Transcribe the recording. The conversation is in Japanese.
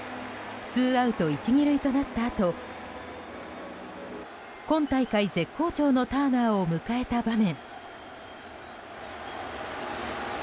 ツーアウト１、２塁となったあと今大会絶好調のターナーを迎えた場面。